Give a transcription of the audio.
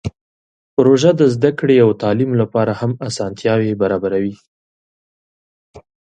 پروژه د زده کړې او تعلیم لپاره هم اسانتیاوې برابروي.